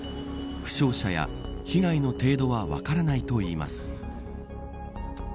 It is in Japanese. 負傷者や被害の程度は分からないといいます。